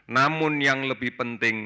namun yang lebih penting